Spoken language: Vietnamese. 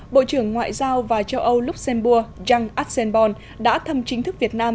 bộ trưởng ngoại giao và châu âu luxembourg jean arsene bon đã thăm chính thức việt nam